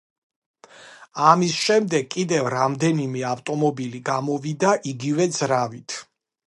ამის შემდეგ კიდევ რამდენიმე ავტომობილი გამოვიდა იგივე ძრავით.